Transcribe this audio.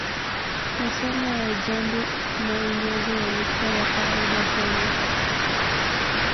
Masuala ya jando na Unyago yalikuwa ya kawaida sana